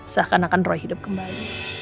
seakan akan roy hidup kembali